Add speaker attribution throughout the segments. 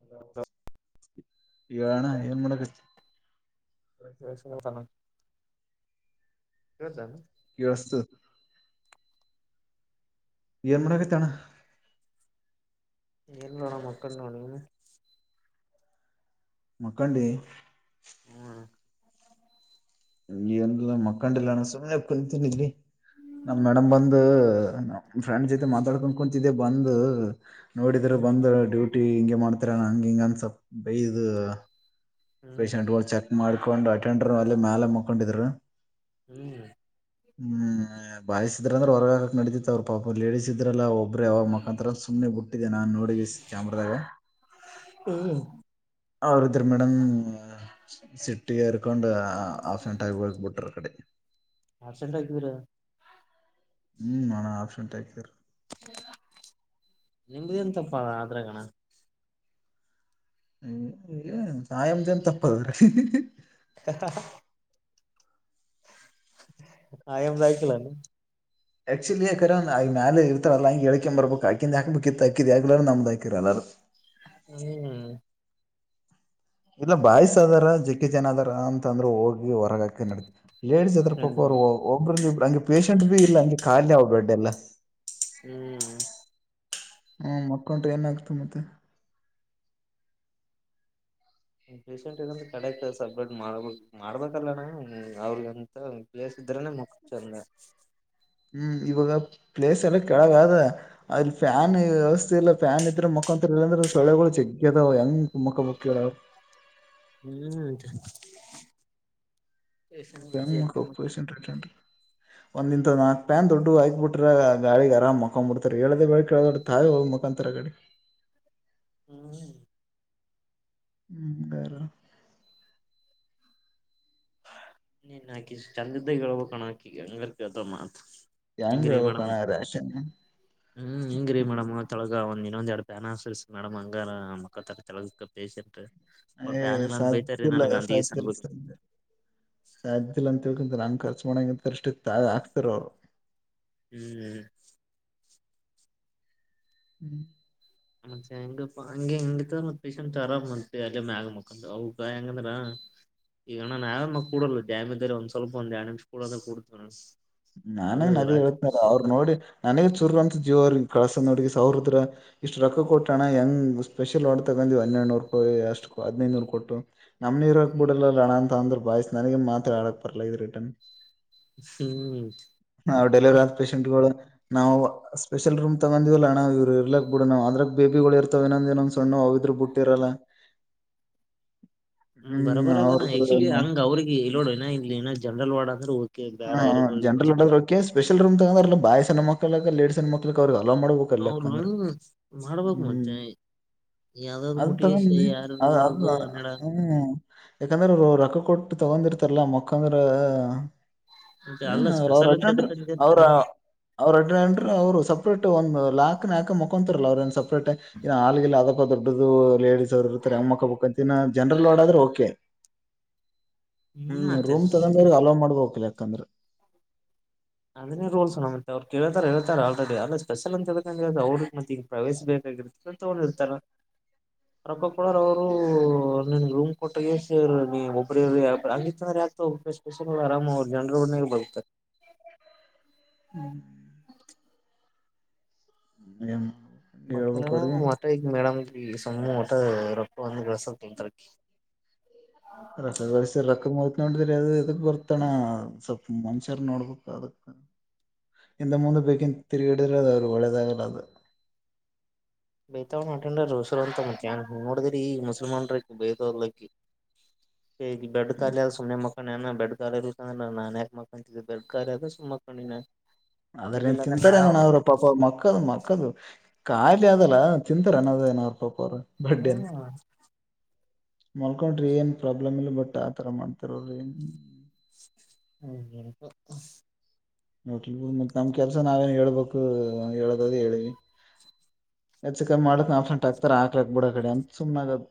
Speaker 1: ಅಲ್ಲ
Speaker 2: ಹಲೋ
Speaker 1: ಹೇಳ್ ಅಣ್ಣಾ ಏನ್ ಮಾಡಾಕತ್ತಿ
Speaker 2: ಕೇಳಿಸ್ತಿಲ್ವೇನೋ ಕೇಳ್ತಾನ
Speaker 1: ಕೇಳಸ್ತದ ಏನ್ಮಾಡಾಕತ್ತಿ ಅಣ್ಣಾ
Speaker 2: ಏನಿಲ್ಲ ನೋಡ್ ಅಣ್ಣಾ ಮಲ್ಕೊಂಡಿನಿ ನೋಡ್ ನೀನು
Speaker 1: ಮಕ್ಕಾಂಡಿ
Speaker 2: ಹ್ಮ್
Speaker 1: ಏನಿಲ್ಲ ಮಕ್ಕಂಡಿಲ್ಲಣ ಸುಮ್ನೆ ಕುಂತೀನಿ ಇಲ್ಲಿ ನಮ್ ಮೇಡಮ್ ಬಂದ್ ನಮ ಫ್ರೆಂಡ್ ಜೊತೆ ಮಾತಾಡ್ಕೊಂಡ್ ಕುಂತಿದ್ದೆ ಬಂದ ನೋಡಿದ್ರ
Speaker 2: ಹ್ಮ್
Speaker 1: ಬಂದ ಡ್ಯೂಟಿ ಹಿಂಗೆ ಮಾಡ್ತಿರೆನ್ ಹಂಗ ಹಿಂಗ ಅಂತ ಸಲ್ಪ್ ಬೈದು
Speaker 2: ಹ್ಮ್
Speaker 1: ಪೇಷೆಂಟ್ ಗೊಳ್ ಚೆಕ್ ಮಾಡ್ಕೊಂಡು ಅಟೆಂಡರು ಅಲ್ಲಿ ಮ್ಯಾಲ ಮಕೊಂಡಿದ್ದರು
Speaker 2: ಹ್ಮ್
Speaker 1: ಹ್ಮ್ ಬಾಯಿಸ್ ಇದ್ರ ಅಂದ್ರೆ ಹೊರಗಾಕಕ್ ನಡದತಿತ್ ಅವ್ರ ಪಾಪ ಲೇಡಿಸ್ ಇದ್ರಲ್ಲಾ ಒಬ್ ಒಬ್ರ ಯಾವಾಗ ಮಕಾತರಂತ ಸುಮ್ಮನೆ ಬಿಟ್ಟಿದೆ ನಾನ್ ನೋಡಗೆಸ್ ಕ್ಯಾಮ್ರದಾಗ
Speaker 2: ಹ್ಮ್
Speaker 1: ಅವ್ರ ಇದ್ರ ಮೇಡಮ್ ಸಿಟ್ಟಿಗೆ ಹೆರ್ಕೊಂಡ್ ಆಫ್ ಆಂಟ್ ಆಗಿ ಹೋರಟ್ ಬಿಟ್ರ ಆ ಕಡೆ
Speaker 2: ಆಸೆಂಟ ಆಕ ಬೀರ
Speaker 1: ಹ್ಮ್ ನಾನ ಆಪ್ಷನ್ ಟ
Speaker 2: ನಿಮ್ದೇಂತಪ್ಪ ಅದ್ರಗಣ
Speaker 1: ಸಾಯಂ ಜನ್ ತಪ್ಪದ್ರೀ
Speaker 2: ಹ ಆಯಾಮದಯಕಲ್ಲ ನ
Speaker 1: ಆಕ್ಚುಲಿ ಯಾಕ್ರ ಈ ಮ್ಯೇಲೆ ಇರ್ತಾರಲ್ಲ ಹಂಗೆಳ್ಕ ಬರ್ಬೇಕು ಹಾಕಿಂದ ಹಾಕ್ಬೇಕಿತ್ತಕಿ ಹಾ ನಮ್ದಾಕಿರಲ್ಲ ಹ
Speaker 2: ಹ್ಮ್
Speaker 1: ಇಲ್ಲ ಬಾಯ್ಸ ಅದಾರ ಜಿಕ್ಕೆ ಜನದಾರ ಅಂತ ಅಂದ್ರರು ಹೋಗಿ ಹೊರಗಾಕ ನಡತ ಲೇಡಿಸಸ್ ಅದ್ರ
Speaker 2: ಹ್ಮ್
Speaker 1: ಪಕ್ಕವರು ಒಬ್ಬ್ರ ಇಬ್ರು ಹಂಗೆ ಪೇಶೆಂಟ್ ಭ ಇಲ್ಲ ಹಂಗೆ ಖಾಲಿ ಅವ ಬೆಡ್ ಎಲ್ಲ
Speaker 2: ಹ್ಮ್
Speaker 1: ಹ್ಮ ಮಕ್ಕಂಟ್ರ ಏನ ಆಗ್ತು ಮತ್ತೆ
Speaker 2: ಪೇಸೆಂಟ್ಗ ಕಡೆಕ್ ಸಪ್ರೇಟ್ ಮಾಡ್ಬೇಕ ಮಾಡ್ಬೇಕಲ್ಲ ನ ಅವ್ರಿಗಂತ ಇದ್ರನೆೇ ಮುಕ್ ಚಂದ
Speaker 1: ಹ್ಮ್ ಇವಾಗ ಪ್ಲೇಸ್ ಎಲ್ಲ ಕೆಳಗ ಅದ ಅ್ರ
Speaker 2: ಹ್ಮ್
Speaker 1: ಫ್ಯಾನ್ ವ್ಯವಸ್ಥೆ ಎಲ್ಲ ಫ್ಯಾನ್ ಇದ್ರೆ ಮುಖಾಂತ ಇಲ್ಲಂದ್ರೆ ಸಳೆಗಳು ಜಗ್ಗ ಅದಾವ ಹೆಂಗ ಮುಖ ಮುಕ್ಕಿಗಳು
Speaker 2: ಹ್ಮ್ ಸೇಫ್ಟಿ
Speaker 1: ಹಂಗಪ್ಪ
Speaker 2: ಮುಖ್ಯ
Speaker 1: ವಸಂಟಿ ಒಂದ್ ಇಂತ ನಾಕ ನ್ ದೊಡ್ಡ ಹಯಕ್ಬ ಬಿಟ್ರ ಗಾಿ ಆರಾಮ್ಕೊಂಡ್ ಬಿಡ್ತರು ಹೇಳ್ದಳ ಕೇಳೊಡ್ ತಾಯಿ ಮುಖಾಂತ ಕಡೆ
Speaker 2: ಹ್ಮ್
Speaker 1: ಹ್ಮ್ ಗರ
Speaker 2: ನೀನ್ ಹಾಕಿ ಚಂದಿದ್ದ ಹೇಳಬೇಕ ಕಣ ಹಾಕಿಂಗ ಮಾತ್ ಹೆಂಗ
Speaker 1: ಹೆಂಗ್
Speaker 2: ರ ಮೇಡಮ್
Speaker 1: ಹೇಳ್ಬೇಕಣ್ಣ ರೇಷನ್
Speaker 2: ಹ್ಮ್ ಹೆಂಗ ರೀ ಮೇಡಮ್ಳ ಈಗ ಒಂದ್ ಇನ್ನೊಂದ ಎಡು ಪ್ಯಾಾನ ಹಸ್ ಮೇಡಮ್ ಹಂಗ ಮಕ್ಕ ತ ತಳಗ ಪೇೇಶೆಂಟ್
Speaker 1: ಸಾಧ್ಯಲ್ಲ
Speaker 2: ಸನ್
Speaker 1: ಸಾಧ್ಯಲ್ಲ ಸಾಧ್ಯ ಸಾಧ್ಯ ಇಲ್ಲ ಅಂತೇಳ್ಕಂತ ನಂಗ್ ಖರ್ಚು ಮಾಡೋಂಗ ಅಂತ ಅಷ್ಟ ಇ ತ ಹಕ್ತಾರ ಅವರು
Speaker 2: ಹ್ಮ್
Speaker 1: ಹ್ಮ್
Speaker 2: ಮತ್ತೆ ಹೆಂಗ ಹಂ ಹೆಂಗ ಮತ್ ಪೇಶಂಟ್ ಆರಾಮ ಮತ್ ಅಲ್ಲಿ ಮ್ಯಾಗ ಮುಕ್ಕ ಅವಗ ಹೆಂಗಂದ್ರ ಈಗಣ್ಣ ನಾವೇ ಮ ಕೂಡಲ್ಲ ಜಾಮೀದಾರಿ ಒಂದ್ ಸ್ವಲ್ಪ ಒಂದ್ ಜಾಮಿಮಿಷ ಕಡದ ಕಡತೇವ
Speaker 1: ನಾನಗ ನದಿ ಹೇಳತ್ನ ಅವ್ರರು ನೋಡಿ ನನಗ ಚುರು ಅಂತ ಜೀವ ಅವ್ರಿಗೆ ಕಳಸ ನೋಡ ಸ ಅವ್ರದ್ರ ಇಷ್ಟು ರೊಕ್ಕ ಕೊಟ್ಟೋಣ್ಣ ಹೆಂಗ್ ಸ್ಪೆಷಲ್ ಆಡ ತಗ್ ಹನ್ನೆರಡುನೂರು ಅಷ್ಟು ಹದಿನೈದುನೂರು ಕೊಟ್ಟು ನಮ್ ಇರಕ್ ಬಿಡಲ್ಲಣ ಅಂತ ಅಂದ್ರ ಬಾಯ್ತ ನನಗೆ ಮಾತ್ರ ಆಳ ಪಡ್ಲ್ಲ ಇದು ರಿಟನ್
Speaker 2: ಹ್ಮ್
Speaker 1: ಹಾ ಡೆಲಿವರಿ ಆದ ಪೇಶಷೆಂಟ್ಗಳು [unintelligible] ನಾವು ಸ್ಪೆಷಲ್ ರೂಮ್ ತಗೊಂಡಿವವಲ್ಲಣ್ಣ ಇವ್ ಇರ್ಲಕ್ ಬಿಡು ನವು ಅದ್ರಾಗ ಬೇಬಿಗಳು ಇರ್ತವನಂದ ಇನ್ನೊಂದೇನು ಸಣ್ಣ ಅವ ಹ್ರ ಬಿಟ್ಟಿರಲ್ಲ
Speaker 2: ಹ್ಮ ಬರೋಬರ ಅದ ಆಕ್ಚುಲಿ ಹಂಗ ಅವ್ರಿಗೆ ಇೋಡುಏ ಇ ಜನರಲ್ ವಡಡ್ಂದ್ರೆದ
Speaker 1: ಹಾ ಜನರಲ್ಕೆ ಸ್ಪೆಷಲ್ ರೂಮ್ ತಗದಾರಲ್ಲ ಬಾಯ್ಸನ ಮಕ್ಳ ಲೇಡೀಸನ್ ಮಕ್ಳಕ್ ಅವ್ರಗ ಚಲೋ ಮಾಡಬೇಕಲ್ಲ
Speaker 2: ಅವ್ರು
Speaker 1: ಯಾಕಂದ್ರ
Speaker 2: ಮಾಡ್ಬೇಕ್
Speaker 1: ಹ್ಮ್
Speaker 2: ಮತ್ತೆ ಯಾವ್ದಾದ್
Speaker 1: ಅದ ತಗಿ
Speaker 2: ಬುಟ್ಟಿಗೆ ಯಾರ
Speaker 1: ಅ
Speaker 2: ಬಿಡೋದು ಹನ್ನೆರಡ
Speaker 1: ಹ್ಮ್ ಯಾಕಂದ್ರೆ ರೊಕ್ಕ ಕೊಟ್ಟ ತಗೊಂಡಿರ್ತಾರಲ್ಲ ಮುಕ್ಕಾಂದರ
Speaker 2: ಮತ್ತೆ
Speaker 1: ಏನ್
Speaker 2: ಅಲ್ಲ
Speaker 1: ಅವ್ರ
Speaker 2: ಸ್ಪೆಷಲ್ ಅಂತ
Speaker 1: ಅಜಂ
Speaker 2: ಎದಕ್ ಅಂದಿರ್ತಾರ
Speaker 1: ಅವ್ರ
Speaker 2: ಹೇಳು
Speaker 1: [unintelligible] ಅವ್ರನ್ ಅವರು ಸಪ್ರೇಟ್ ಒಂದು್ ಲಾಕ್ ನ ಹಾಕಕ್ ಮಕೊಂತರಲ್ಲ ಅವ್ರ ಏ ಸಪ್ರೇಟ್ ಇ ಹಾಲಲ್ಲ್ಲ ಅದ ಅದ ಲೇಡಿಸಸ್ ಅವರುರ್ತಾರೆ ಅಮ್ಮ್ಕ್ಕ ಬಬೇಕಕ್ಂತಿನ ಜನರಲ್ ಡಾದ್ರ ಓಕೆ ಹ್ಮ್ ರೂಮ್ ತಗೊಂಡ್ರ ಅಲೋ್ ಮಾಡ್ಬಿಲ್ಲ ಯಾಕಂದ್ರೆ
Speaker 2: ಅದ್ರೆ ರೋಲ್ಸ್ನ ಮತ್ತೆ ಅವ್ ಕೇಳಳ್ತಾರ ಹೇಳ ಇ ಆಲ್ರೆಡಿ ಅಲ್ಲ ಸ್ಪೆಷಲ್ ಅಂತ ಅವ್ರ ಮತ್ತೆ ಈಗ ಪ್ರವೇಶಿಸ ಬೇಕಾಗಿರ್ತ ಅ ಇರ್ತಾರ ರಪ್ಪ ಕುಳಾರ್ ಅವರು ನಿನ್ ರೂಮ್ ಕೊಟ್ಟೇ ನೀ ಒಬ್ರವ ಯ ಹಂಗಿತ್ತಂದ್ರೆ [unintelligible] ಆರಾಮ ಅವ ಜನರ ಒ ಬರುತ್ತಾರೆ [unintelligible]
Speaker 1: ಹ್ಮ್ ಹ್ಮ ಹ [unintelligible]
Speaker 2: ಮತ್ತೆ ನ ಮತ್ತ [unintelligible] ಮೇಡಮ್ ಸಮ್ಮೂ ಮಊಟ್ಟ ರೊಕ್ಕ ಅಂದು ಕೆವಸ ತೊಂತರ [unintelligible]
Speaker 1: ರಕ ಬ ಸ ರಕಮ [unintelligible] ನೋಡಿದ್ರಿ ಅದು ಇದಕ್ ಬರ್ತಣ ಸ್ವಲ್ಪ ಮನುಷ್ಯರು ನೋಡ್ಬೇಕ ಅದಕ್ ಹಿಂದೆ ಮುಂದೆ ಬಕಿನ [unintelligible] ತಿರುಗಿಡಾದ ಅವರು ಒಳ್ಳೆದಾಗಲಾದ
Speaker 2: ಬೇತಾವ ನಟಂಡ ಉಸರು ಅಂತ ಮುಖ್ಯಾನ್ ನೋಡಿದ್ರ ಈ ಮುಸಲ್ಮಾನ್ ರಕಿ ಬೈದ್ ಹೋದ್ಲಕಿ [unintelligible]
Speaker 1: [inaudible]
Speaker 2: ಬೆಡ್ ಕಾಲಿ ಅ ಸುಮ್ಮನೆ ಮಕ್ಕಳ ನಾನ ಬೆಡ್ ಕಾಲ ಇರ ಅಂದ್ರ ನನ್ ಯಾಕ್ಕ್ಕಕಂತಿದ್ದೆ ಬೆಡ್ ಕಾಲ ಅದ ಸುಮ್ಾಕೊಂಡಿನ
Speaker 1: ಅದ್ರ ಏನ್ ತಿಂತಾರೆ ನೋ ಅವ್ರ ಪಾಪ ಮಕ್ಕದು ಮಕ್ಕದು ಖಾಲಿ ಅದಲ್ಲ ಚಿಂತರೆ ಅನ್ನದ ನ್ಪ ಅವ ಬಡ್ಡೇನ್ [unintelligible] ಮಲ್ಕೊಂಡ್ರಿ ಏನ್ ಪ್ರಾಬ್ಲಮ್ ಇಲ್ಲ ಬಟ್ ಆತರ ಮಾಡ್ತರ್ರಿ
Speaker 2: ಹ್ಮ [unintelligible]
Speaker 1: ನೋಬದು [unintelligible] ಮತ್ ನಮ್ ಕೆಲ್ಸ ನಾವೇನು ಹೇಳ್ಬೇಕು ಹೇಳದದೇ ಹೇಳಿವವಿ ಹೆಚ್ಚು ಕಮ್ಮಿ ಮಾಡಕ್ ನಾಫ್ರಂಟ್ ಹಾಕ್ತಾರ ಆಾಕ್ಲಾಕ್ ಬಿಡ ಕಡೆ ಅಂತ ಸುಮ್ನಾಗದು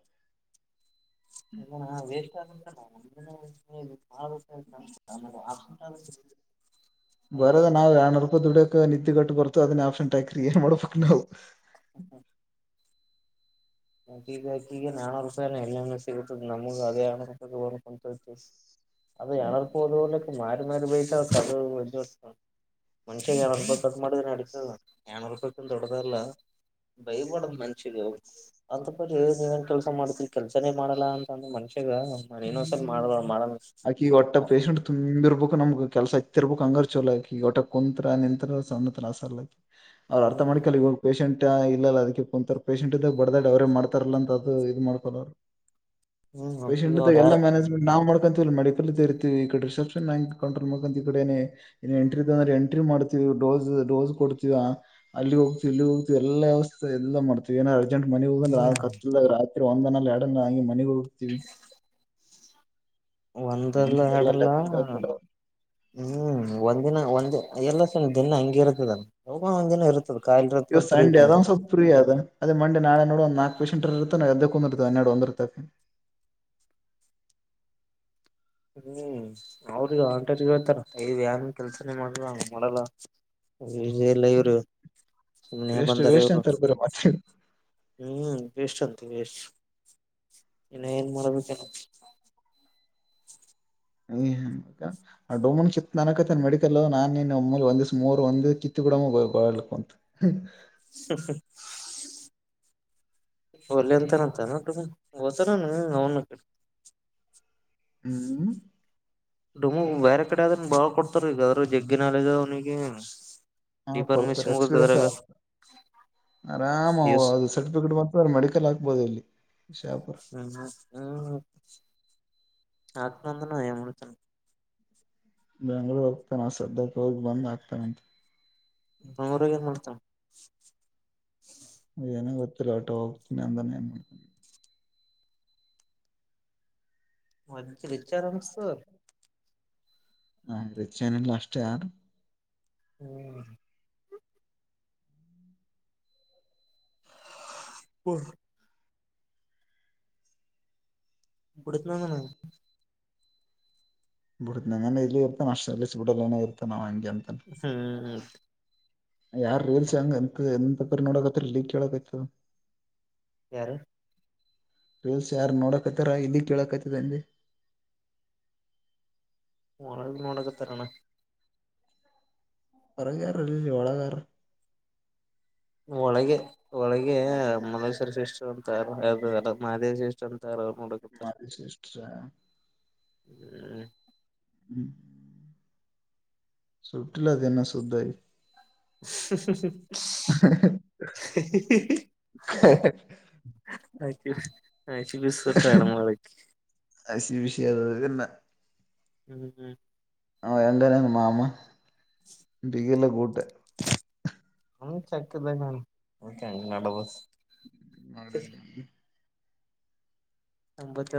Speaker 2: ಇಲ್ಲಾ ವೇಸ್ ಆಗಂಟಣ [unintelligible] ನೀ ಹಕಟ [unintelligible]
Speaker 1: ಬರೋದ ನಾವ ಯಾರನುೂಪ ದುಡಕಕ್ ನಿದ್ದೆ ಗಟ್ಟು ಬರ್ತ ಅದೇ ಆಪ್ಷನ್ಟಕ ಕ್ರ ಏರ್ ಮಾಡ್ಬೇಕಕ್ ನಾವವು [inaudible]
Speaker 2: ಮತ್ತ ಈಗ ಈಗ ನಾನ ರರುಪಾಯ ಎಲ್ಲ ಸಿಗತದ ನಮಗ ಅದೇ ಆಪಾಯಕಂತತಿ [unintelligible] ಅದು ಯಳರ್ ಪ ಅದಲ ಮಾರ ಮರೆ ಬಯ ಅದು ಮನ್ಷ್ಯಾಗ ಏ ರೂಪಾಯಿ ಮಾಡಿದ್ರ ಅಡ ಏನ ರೂಪಾಯ ದೊಡ್ಡದಲ್ಲಾ ಬೈ ಬಾರದು ಮನ್ಷ್ಯನ್ಗೆ ಅಂತ ಬರಿ ನೀವೇನ್ ಕೆಲಸ ಮಾಡ್ತಿರಿ ಕೆಲ್ಸನೇ ಮಾಡಲ್ಲ ಅಂದ ಮನುಷ
Speaker 1: ಹ್ಮ್ ಆಕಿ ಈಗ ಒಟ್ಟ ಪೇಶಂಟ್ ತುಂಬಿರ್ಬೇಕು ನಮ್ಗ ಕೆಲ್ಸ ಇತ್ತು ತಿರುಬು [unintelligible] ಕ ಅಂಗಾರ ಚೋಲಾಗಿಿ ಒಟ್ಟ ಕುಂತ್ರರ ನಿಂತರ ಸ್ಣ ತತ್ರಾಸ ಅವ್ರು ಅರ್ಥ
Speaker 2: ಹ್ಮ್
Speaker 1: ಮಾಡ್ಕಲ್ಲ ಇವೋಗ್ ಪೇಶಷಂಟ್ ಇಲ್ಲ ಅದಕ್ಕೆ ಕುಂತರ್ ಪೇಷಂಟ್ ಇದಾಗ ಬಡದಾಡ್ ಅವರೇ ಮಾಡ್ತಾರಲ್ಲ ಅಂತ ಅದು ಇದ್ ಮಾಡ್ಕೋ ಅವರು
Speaker 2: ಹ್ಮ್ ಹಕಗ
Speaker 1: ಎಲ್ಲಾ ಮ್ಯಾನೇಜ್ಮೆಂಟ್ ನಾವ್ ಮಾಡ್ಕೊಂತೀವಿ ಮೆಿಕಲ್ [unintelligible] ಇರ್ತೀವಿ ಈಡೆ ರಿಸೆಪ್ಷನ್್ಯಾಂ ಕಂಟ್ರಲ್ ಈ ಎಂಟ್ರಿ ಅ್ರೆ ಎಂ್ರಿ ಮಾಡ್ತೀ [unintelligible] ಡೋಸ್ ಡೋಸ್ ಕೊಡ್ತೀವ ಅಲ್ಲಿ ಹೋಗ್ತವಿ ಇಲ್ಲಿಗೆ ಹೋಗತತಿವಿ ಎಲ್ಲಾ ವಸ್ ಎಲ್ಲ ಮಾಡ್ತೀವಿ ಏನ ಅರ್ಜೆಂಟ್ ಮನೆಗ್ ಹೋಗಂದ್ರ
Speaker 2: ಹ್ಮ್
Speaker 1: ಕತ್ದಾಗ ರಾತ್ರಿ ಒಂದನ ಎರಡ ಹಂಮನೆಗ್ ಹೋಗ್ತೀವಿ
Speaker 2: ಒಂದಲ್ಲ
Speaker 1: ಎಲ್ಲ
Speaker 2: ಎರಡಲ್ಲ
Speaker 1: ಲೆಕ್ಕಕ್ಕ ಹಾಕಲ್ಲ
Speaker 2: ಹ್ಮ್ ಒಂದಿನ ಒಂದ ಎಲ್ಲ ಸಣ ದಿನ ಹಂಗಿ ಇರುತ್ತದಲ್ಲ [unintelligible]
Speaker 1: ಇವ ಸಂಡೇ ಅದ ಒಂದ್ ಸ್ವಲ್ಪ
Speaker 2: ಕುಂತಿರ್ತದ
Speaker 1: ಫ್ರೀ ಅದು ಅದೇ ಮಂಡೆ ನಾಳೆ ನೋಡುವ ಒಂದ್ ನಾಲ್ಕ [unintelligible] ಪೇಶಷೆಂಟ್ ಇರ್ತಾನ ಎದ್ದಕ್ಕ ಹೊಂದಿರ್ತಾವ ಹನ್ನೆರಡು ಒಂದಿರ್ತಕ್
Speaker 2: ಹ್ಮ್ ಅವ್ರಗ ಆಂಟ್ರ ಹೇಳ್ತಾರ ಇ ನ್ ಕೆಲ್ಸನೇ ಮಾಡಂಗ ಮಾಡಲ್ಲ ಇ ಇಲ್ಲ ಇವ್ರು ಸುಮ್ನೆ
Speaker 1: ವೇಸ್ಟ್
Speaker 2: ಬಂದಾರೆ
Speaker 1: ವೇಸ್ಟ್
Speaker 2: ಇವರು
Speaker 1: ಅಂತಾರ ಬರೀ ಮತ್ತೆ
Speaker 2: ಹ್ಮ್ ಜಷ್ಟಂತ [unintelligible] ಇನ್ನು ಏನ್ ಮರಬೇಕೇನ್
Speaker 1: ಹ ಡಮನ್ ಚಿತ್ ನನಕನ್ ಮೆಡಿಕಲ್ ನಾನ್ನ್ ಒಮ್ಮ ಒಂದಿಸ್ ಮೂರ್ ಒಂದ ಕತ್ತಗೂಡಮ್ಮ ಗಲ್ಲ ಕಂತು [unintelligible]
Speaker 2: ಹಲಿ ಅಂತನಂತ ನ ಹಓತಾನ ಅವನು ಕ [unintelligible]
Speaker 1: ಹ್ಮ್
Speaker 2: ಡಮು ಬೇರೆ ಕಡೆ ಆದದನ್ ಬಾ ಕೊಡ್ತಾರ ಈಗದ್ರರು ಜಗ್ಗಿನಾಲದ ಅವ್ನಿಗೆ
Speaker 1: ಹಾ
Speaker 2: ಡಿಫಾರ್ಮೆಸಿ
Speaker 1: ಕೊಡ್ತಾರೆ ಎಕ್ಸ್ಪೀರಿಯನ್ಸ್
Speaker 2: ಮುಗತಗ
Speaker 1: ಆರಾಮ ಅದು ಸರ್ಟಿಫಿಕೇಟ್ ಮತ್ತ ಮೆಡಿಕಲ್ ಹಾಕ್ಬೋದು ಇಲ್ಲಿ ಶಾಪುರ್
Speaker 2: ಹ್ಮ್ ಹ್ಮ ಆತ್ನಂದನ ಎಮಳತಾನ
Speaker 1: ಬೆಯಾಂಗ್ಳೂರ್ ಹೋಗ್ತಾನ ಸದ್ಯಕ್ಕೆ ಹೋಗಿ ಬಂದ್ ಆಗ್ತಾನಂತ
Speaker 2: ಮರ ಮಾಡತ
Speaker 1: ಏನ ಗೊತ್ತರ ಟೋ ಹೋಗತನ ಅಂತಾನೆ ಏನ್ ಮಾಡ
Speaker 2: ಮ ವಿಚ ಆರಾಮಸು
Speaker 1: ಹ ರಚಿಯನಲ್ಲ ಅಷ್ಟ ಯಾರು
Speaker 2: ಹ್ಮ ಹುರ್ ಕುಡುತನಾನ
Speaker 1: ಬಿಡ್ತ ನ ಇಲ್ಲಿ ಇರ್ತಾನ ನ ಅಷ್ಟ ಅಲ್ಲಿ ಬಿಡಲ್ಲ ನನೆ ಇರ್ತ ನ್ ಹಂ
Speaker 2: ಹ್ಮ್
Speaker 1: ಯಾರ ರೀಲ್ಸ್ ಹಂಗ ಎಂತ ಎ ನೋಡಕತ್ರಿ ಲೀಕ್ ಕೇಳಕತದ
Speaker 2: ಯಾರ
Speaker 1: ರೀಲ್ಸ್ ಯಾರು ನೋಡಕತ್ತಾರ ಇಲ್ಲಿ ಕೇಳಕತ್ತದಂದೆ [unintelligible]
Speaker 2: ಹಳ ನೊಂಡಕ್ಕೆ ತರಣ
Speaker 1: ಹೊರಗಾರಲ್ಲಿ ಒಳಗಾರೆ
Speaker 2: ಒಳಗೆ ಒಳಗೆ ಮಲ್ಲೇಶ್ವರ ಸಿಸಷ್ಟು ಅಂತಲ್ಲ ಮಹದೇವಿ ಸಷ್ಟು ಅಂತ ತ್ತ ಅವಡತ್ತ
Speaker 1: ಮಾದೇಶಿಷ್ಟ
Speaker 2: ಹ್ಮ
Speaker 1: ಸಟಲ ತನ್ನ ಸುದ ಇ ಹ
Speaker 2: ಆತ
Speaker 1: ಅಸಿ ವಿಷಯದನ್ನ
Speaker 2: ಹ್ಮ್ ಹ್ಮ್
Speaker 1: ಆ ಎಂಗನ ಮಾಮ್ಮ ಗಲ್ಲ ಕೂಟೆ
Speaker 2: ಹ ಚಕ್ಕದ ನ ನಡ ಬ
Speaker 1: ಮಾಡಿಂದ
Speaker 2: ಅಂಬತ್ತ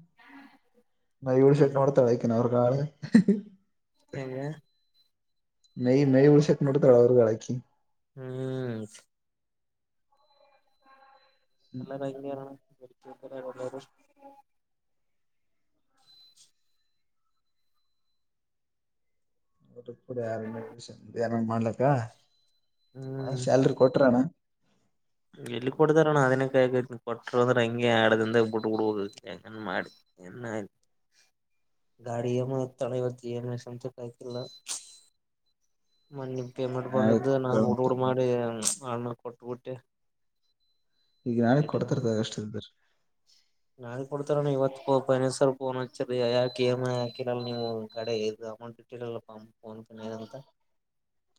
Speaker 2: ಹ್ಮ
Speaker 1: ನೈಳ ಶಕ್ಕಡ ತಳಕನ ಅವರು ಕಣ ನೀ ನ ಉಡ ಶಕ ನರ ತಡಾವ ಗಡಕಿ
Speaker 2: ಹ್ಮ್ ಎಲ್ಲನ ಇಂಗೆನ [unintelligible]
Speaker 1: [unintelligible] ಪೇಮೆಂಟ್ ಮಾಡ್ಲಕ್ಕ
Speaker 2: ಹ್ಮ್
Speaker 1: ಸ್ಯಾಲ್ರಿ ಕೊಟ್ರಣ್ಣ.
Speaker 2: ಎಲ್ಲಿ ಕೊಡದಾರಣ ಅದನ್ನ [unintelligible] ಕೊಟ್ಟ್ರಂದ ಹಂಗೆ ಎಡದಿಂದಗ್ ಕೊಟ್ಟು ಬಿಡಬೋದಿತ್ [unintelligible] [unintelligible] ಮಣ್ಣಿ ಪೇಮೆಂಟ್
Speaker 1: ನಾಳೆ
Speaker 2: ಬಂದಿದ್ದ
Speaker 1: ಕೇಳ
Speaker 2: ನಾನ್ [unintelligible] ಮಾಡಿ [unintelligible] ಕೊಟ್ಟಬುಟ್ಟೆ.
Speaker 1: ಈಗ ನಾಳೆ
Speaker 2: [unintelligible]
Speaker 1: ಕೊಡ್ತಾರ ಅಷ್ಟ
Speaker 2: ನನ್ ಕೊಡ್ತಾರಣ ಇವತ್ [unintelligible] ಫೋನ್ನಚ್ಚಿ ಯಾಕೆ ಇ ಮ್ ಐ ಯಾಕಿ ನೀವು [unintelligible] [unintelligible]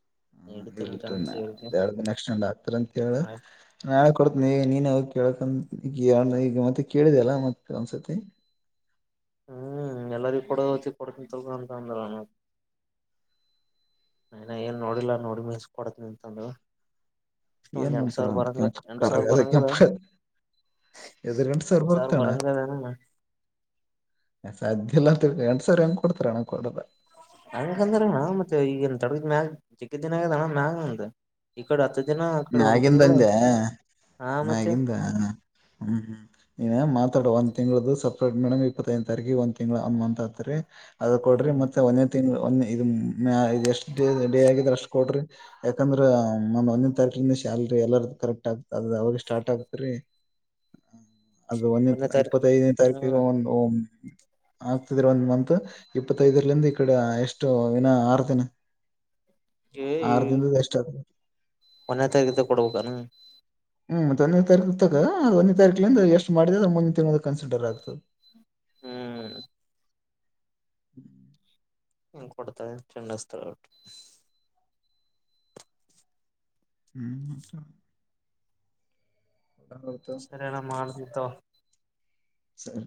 Speaker 2: [unintelligible]
Speaker 1: ಬಿ
Speaker 2: ಅಂತ
Speaker 1: ಕಾನ
Speaker 2: ಹೇಳಿದೆ
Speaker 1: ಎರಡ್ ದಿನ ನೆಕ್ಟ್ ಹತ್ತು ರಂತೆ ಹೇಳು ನಾ ಕೊಡ್ತೀನಿ ಈ ನೀನ್ ಹೋಗ್ ಕೇಳಕಂದ ಈಗ ಈಗ ಮತ್ತೆ ಕೇಳಿದೆ ಅಲ್ಲ ಮತ್ತೆ ಒಂದ್ಸತಿ.
Speaker 2: ಹ್ಮ್ ಎಲ್ಲಾರ [unintelligible] ಕೊಡ್ತಿನಿ ತಗೋ [unintelligible] ಅಂದಣ. ಇನ್ನ ಏನ್ ನೋಡಿಲ್ಲ ನೋಡಿದ ಮೇಲ್ [unintelligible] ಈಸ್ಕೊಡ್ತೀನಿ ಅಂತ ಅಂದಳ.
Speaker 1: ಏನ್ ನೋಡ್ತಾಳಂತ್ ಕೆಂಪ ಕರಗ [unintelligible] [unintelligible]
Speaker 2: ಬರಂಗದ
Speaker 1: ಎಲ್ಲ
Speaker 2: ಎಂಟ ಸಾವಿರ ಬರಂಗದಣ
Speaker 1: ತೆಗೆದಿ ಎಂಟ್ ಸಾವಿರ ಹೆಂಗ್ ಕೊಡ್ತರಣ್ಣ ಕೊಡಲ್
Speaker 2: ಹಂಗಂದ್ರಣ್ಣ ಮತ್ತೆ ಈಗನ್ ತಡಗ ಮ್ಯಾಗ ಜಗ್ಗಿದ್ದಿನ ಆಗಣ್ಣ ಮ್ಯಾಗ ಅ ಈ ಕಡೆ ಹತ್ತ
Speaker 1: ಮ್ಯಾಗಿಂದ ಅಂದ್ಯಾ.
Speaker 2: ಹಾ ಮತ್ತೆ
Speaker 1: ಮ್ಯಾಗಿಂದ ಹ್ಮ್ ಹ್ಮ್ [unintelligible] ಮಾತಾಡ ಒಂದ್ ತಿಂಗಳ ದಿವ್ಸ ಮೇಡಮ್ ಇಪ್ಪತ್ತೈದ್ ತಾರೀಕ ಒಂದ ತಿಂಗಳ ಒಂದ್ ಮಂತ್ ಆತ್ರಿ ಅದ ಕೊಡ್ರ
Speaker 2: ಹ್ಮ್
Speaker 1: ಮತ್ತ ಒಂದೇ ತಿಂಗ್ಳ ಒಂದ [unintelligible] [unintelligible] ಎಷ್ಟು ಡೇ ಆಗಿದ್ರ ಅಷ್ಟು ಕೊಡ್ರಿ ಯಾಕಂದ್ರೆ [unintelligible] ತಡ್ರಿ ಇನ್ನೂ ಸ್ಯಾಲರಿ ಎಲ್ಲಾರ್ದು ಕರೆಕ್ಟ್ ಆಗ್ತ ಅದ ಅವಾಗಲ್ಲೆ ಸ್ಟಾರ್ಟ್ ಆಗ್ತರಿ. ಅದು
Speaker 2: ಒಂದನೇ
Speaker 1: [unintelligible]
Speaker 2: ತಾರೀಕು
Speaker 1: ಇಪ್ಪತ್ತೈದನೇ ತಾರೀಕಿಗೆ
Speaker 2: ಹ್ಮ್
Speaker 1: ಒಂದು [unintelligible] [unintelligible] ಒಂದ್ ಮಂತ್ ಇಪ್ಪತ್ತೈದರಲಿಂದ ಈ ಕಡೆ ಎಷ್ಟು ಹಿನ ಆರು ದಿನ. ಆರು ದಿಂದ್ದ ಎಷ್ಟಆತ
Speaker 2: ಒನ್ನೆ ತಾರಿಕಿಂದ ಕೊಡ್ಬೇಕಾನ.
Speaker 1: ಹ್ಮ್ ಮತ್ [unintelligible] ತಾರೀಕ ತಕ ಒಂದೇ ತಾರೀಕಿಂದ ಎಷ್ಟು ಮಾಡಿದಿದೆ ಅದ ಮುಂದೆ ತಿಂಗಳದಾಗ್ ಕನ್ಸಿಡರ್ ಆಗ್ತದೆ.
Speaker 2: ಹ್ಮ್
Speaker 1: [inaudible]
Speaker 2: ಹಂಗ ಕೊಡ್ತಾರೆ ತಿನ್ನಿಸ್ ತಲ್ ಒಟ್-
Speaker 1: ಹ್ಮ್ [unintelligible]
Speaker 2: ಸರಿ ಅಣ್ಣ [unintelligible]
Speaker 1: ಸರಿ